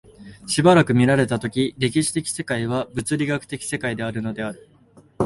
斯く見られた時、歴史的世界は物理学的世界であるのである、